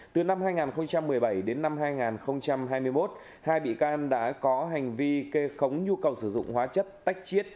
từ năm hai nghìn một mươi bảy đến năm hai nghìn hai mươi một hai bị can đã có hành vi kê khống nhu cầu sử dụng hóa chất tách chiết